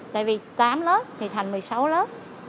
tại vì tám lớp thì thành một mươi sáu lớp